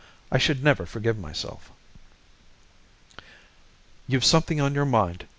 I should never forgive myself. "You've something on your mind!